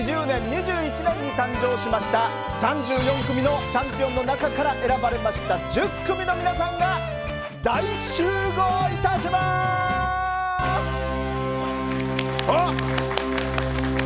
２０２０年２１年に誕生しました３４組のチャンピオンの中から選ばれました１０組の皆さんが大集合いたします！